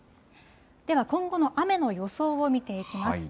では今後の雨の予想を見ていきます。